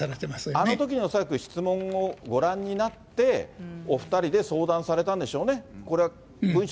あのときに恐らく質問をご覧になって、お２人で相談されたんでしょうね。